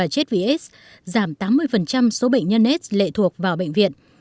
chết vì aids giảm tám mươi số bệnh nhân aids lệ thuộc vào bệnh viện